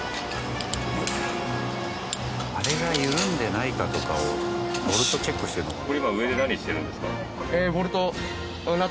あれが緩んでないかとかをボルトチェックしてるのかな？